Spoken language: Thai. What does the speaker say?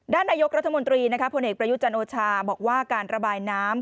ด้านนายกรัฐมนตรีพลเอกประยุจันโอชาบอกว่าการระบายน้ำ